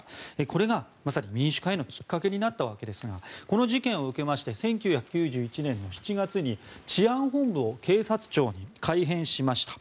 これがまさに民主化へのきっかけになったわけですがこの事件を受けまして１９９１年の７月に治安本部を警察庁に改編しました。